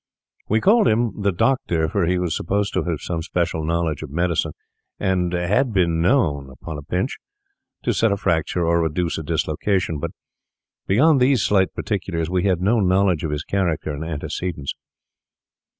We called him the Doctor, for he was supposed to have some special knowledge of medicine, and had been known, upon a pinch, to set a fracture or reduce a dislocation; but beyond these slight particulars, we had no knowledge of his character and antecedents.